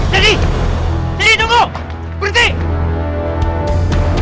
jadi jadi tunggu berhenti